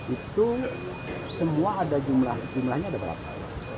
itu semua ada jumlahnya ada berapa